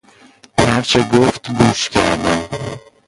هر چه گفت گوش کردم.